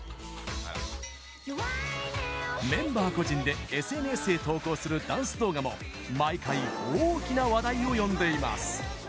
メンバー個人でＳＮＳへ投稿するダンス動画も毎回大きな話題を呼んでいます。